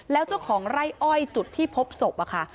แล้วเจ้าของไร่อ้อยจุดที่พบศพอะค่ะ